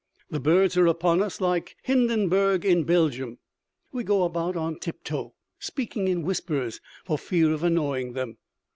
The birds are upon us like Hindenburg in Belgium. We go about on tiptoe, speaking in whispers, for fear of annoying them.